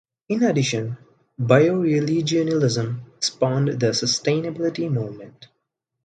In addition, bioregionalism spawned the sustainability movement.